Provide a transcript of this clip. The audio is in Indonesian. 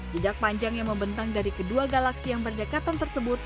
jejak panjang yang membentang dari kedua galaksi yang berdekatan tersebut